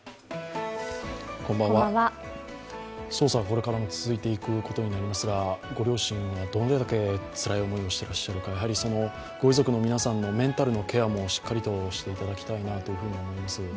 捜査はこれからも続いていくことになりますが、ご両親はどれだけつらい思いをしてらっしゃるか、やはりご遺族の皆さんのメンタルのケアもしっかりとしていただきたいなと思います。